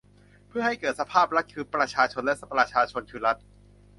เพื่อให้เกิดสภาพรัฐคือประชาชน และ ประชาชนคือรัฐ